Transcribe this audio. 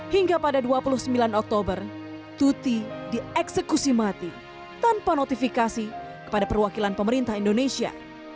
hingga pada dua puluh sembilan oktober tuti dieksekusi mati tanpa notifikasi kepada perwakilan pemerintah indonesia